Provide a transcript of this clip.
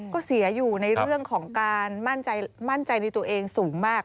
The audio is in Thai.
ก็เสียอยู่ในเรื่องของการมั่นใจในตัวเองสูงมาก